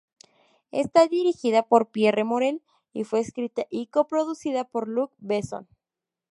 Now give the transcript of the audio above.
Está dirigida por Pierre Morel y fue escrita y coproducida por Luc Besson.